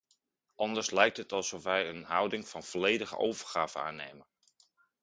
Anders lijkt het alsof wij een houding van volledige overgave aannemen.